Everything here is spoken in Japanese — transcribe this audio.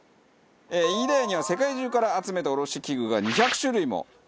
飯田屋には世界中から集めたおろし器具が２００種類も。